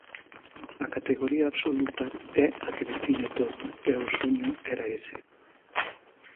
A categoría absoluta é a que define todo e o soño era ese.